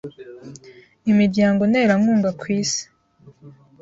imiryango nterankunga ku isi,